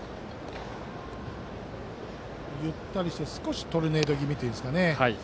ゆったりして少しトルネード気味というか。